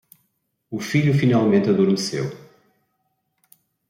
O filho finalmente adormeceu